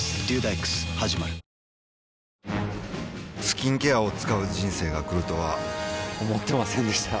スキンケアを使う人生が来るとは思ってませんでした